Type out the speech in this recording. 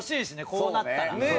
こうなったら。